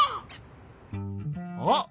あっ！